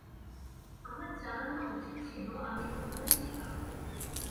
আমার জানানো উচিত ছিল, আমি ওখানে ছিলাম।